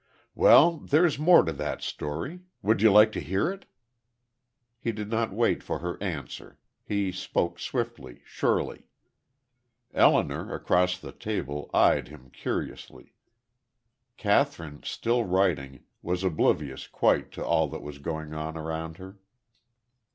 "Well, there's more to that story. Would you like to hear it?" He did not wait for her answer; he spoke swiftly, surely. Elinor, across the table, eyed him curiously. Kathryn, still writing, was oblivious quite to all that was going on around her.